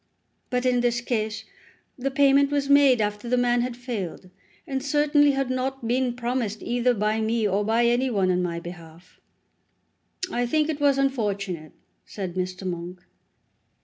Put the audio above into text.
"But in this case the payment was made after the man had failed, and certainly had not been promised either by me or by any one on my behalf." "I think it was unfortunate," said Mr. Monk.